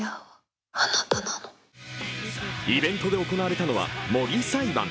イベントで行われたのは模擬裁判。